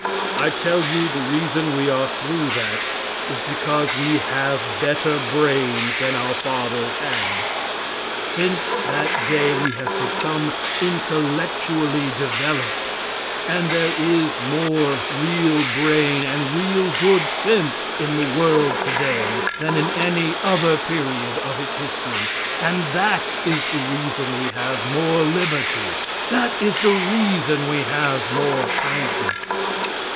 I tell you the reason we are through that, is because we have better brains than our fathers had. Since that day we have become intellectually developed, and there is more real brain and real good sense in the world today than in any other period of its history, and that is the reason we have more liberty, that is the reason we have more kindness.